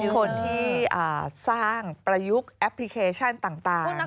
คนที่สร้างประยุกต์แอปพลิเคชันต่าง